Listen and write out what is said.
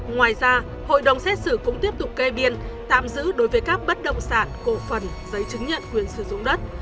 ngoài ra hội đồng xét xử cũng tiếp tục kê biên tạm giữ đối với các bất động sản cổ phần giấy chứng nhận quyền sử dụng đất